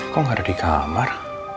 kok nggak ada di kamar